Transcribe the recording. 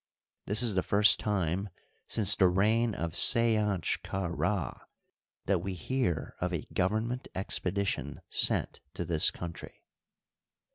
. This is the first time since the reign of Seanch ka Ra that we hear of a government expedition sent to this country.